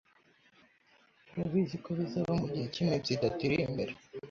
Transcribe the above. Turabizi ko bizaba mugihe cyiminsi itatu iri imbere